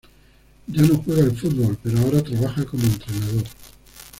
Ya no juega al fútbol, pero ahora trabaja como entrenador.